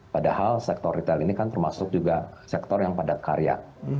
padahal sektor retail ini kan termasuk juga sektor yang padat karya